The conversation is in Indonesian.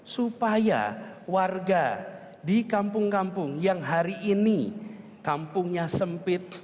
supaya warga di kampung kampung yang hari ini kampungnya sempit